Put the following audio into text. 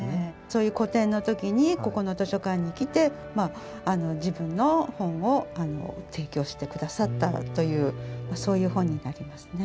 そういう個展の時にここの図書館に来て自分の本を提供して下さったというそういう本になりますね。